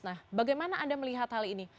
nah bagaimana anda melihat hal ini